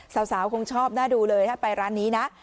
สาวคงชอบน่าดูเลยถ้าไปร้านนี้นะ